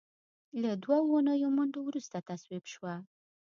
له دوو اونیو منډو وروسته تصویب شوه.